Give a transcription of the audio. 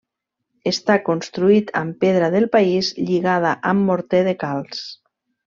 Està construït amb pedra del país lligada amb morter de calç.